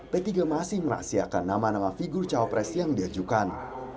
p tiga masih merahasiakan nama nama figur cawapres yang diajukan